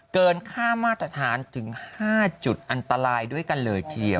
เกินค่ามาตรฐานถึง๕จุดอันตรายด้วยกันเลยทีเดียว